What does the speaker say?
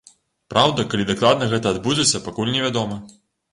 Праўда, калі дакладна гэта адбудзецца, пакуль невядома.